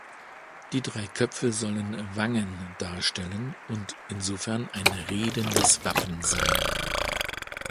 Die drei Köpfe sollen „Wangen“ darstellen und insofern ein redendes Wappen sein.